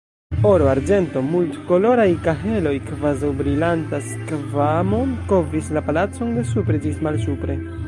Oro, arĝento, multkoloraj kaheloj, kvazaŭ brilanta skvamo, kovris la palacon de supre ĝis malsupre.